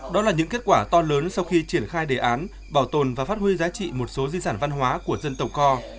đó là những kết quả to lớn sau khi triển khai đề án bảo tồn và phát huy giá trị một số di sản văn hóa của dân tộc co